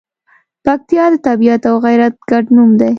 پکتیکا د طبیعت او غیرت ګډ نوم دی.